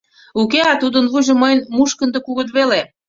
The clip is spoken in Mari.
— Уке, а тудын вуйжо мыйын мушкындо кугыт веле!